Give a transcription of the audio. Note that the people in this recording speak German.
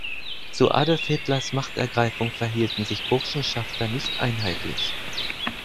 Zu Adolf Hitlers Machtergreifung verhielten sich Burschenschafter nicht einheitlich.